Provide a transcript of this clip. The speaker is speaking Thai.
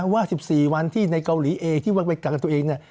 ว่า๑๔วันที่ในเกาหลีเองที่วางไปต่างกันตัวเอง